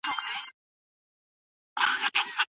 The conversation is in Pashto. تدريس د ښوونکي پر لارښوونه ولاړ وي.